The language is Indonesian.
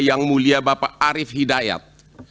yang mulia bapak arief hidayat